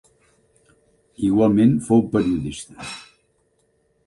Igualment fou periodista.